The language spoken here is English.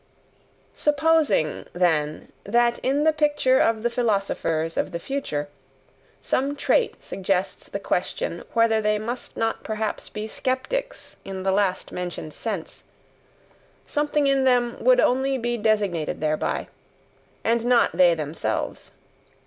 Supposing, then, that in the picture of the philosophers of the future, some trait suggests the question whether they must not perhaps be skeptics in the last mentioned sense, something in them would only be designated thereby and not they themselves.